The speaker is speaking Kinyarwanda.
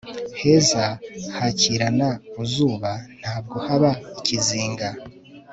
heza hakirana buzuba ntabwo haba ikizinga